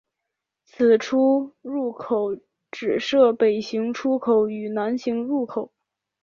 此出入口只设北行出口与南行入口。